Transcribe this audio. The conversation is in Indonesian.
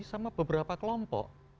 sama beberapa kelompok